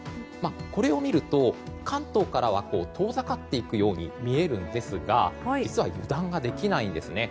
これを見ると関東から遠ざかっていくように見えるんですが実は油断ができないんですね。